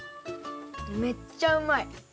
めっちゃうまい！